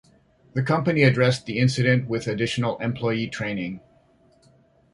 The company addressed the incident with additional employee training.